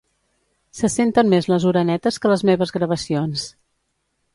Se senten més les orenetes que les meves gravacions